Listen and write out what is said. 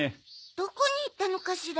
どこに行ったのかしら？